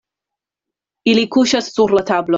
Ili kuŝas sur la tablo.